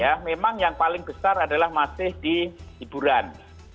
ya memang yang paling besar adalah masih di hiburan